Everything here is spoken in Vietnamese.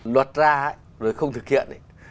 luật ra rồi không thực hiện